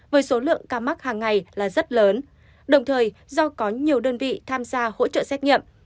với số lượng ca mắc hàng ngày là rất lớn đồng thời do có nhiều đơn vị tham gia hỗ trợ xét nghiệm